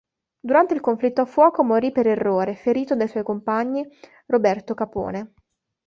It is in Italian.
Durante il conflitto a fuoco morì per errore ferito dai suoi compagni Roberto Capone.